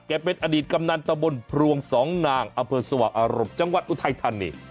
แกเป็นอดีตกำนันตะบนพรวงสองนางอเผิดสวรรคอรบจังหวัดอุทัยธันต์นี่